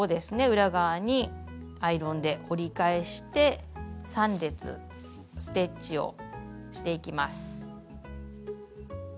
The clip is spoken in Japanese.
裏側にアイロンで折り返して３列ステッチをしていきます。